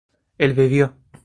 él bebió